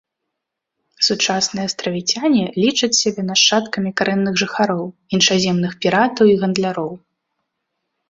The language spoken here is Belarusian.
Сучасныя астравіцяне лічаць сябе нашчадкамі карэнных жыхароў, іншаземных піратаў і гандляроў.